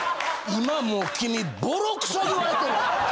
今もう君ボロクソ言われてる。